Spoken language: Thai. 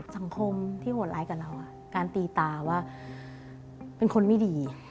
สังคมที่โหดร้ายกับเราการตีตาว่าเป็นคนไม่ดี